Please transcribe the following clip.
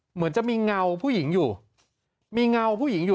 เหมือนจะมีเงาผู้หญิงอยู่มีเงาผู้หญิงอยู่